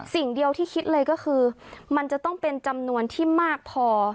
สิ่งเดียวที่คิดเลยก็คือมันจะต้องเป็นจำนวนที่มากพอ